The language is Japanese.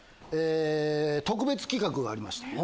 特別企画がありまして。